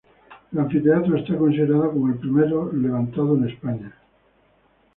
El anfiteatro está considerado como el primero levantado en España.